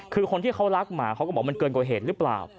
คือคนที่เขารักหมาเขาก็บอกว่ามันเกินกว่าเหตุหรือเปล่า